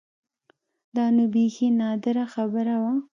دا نو بيخي نادره خبره وه.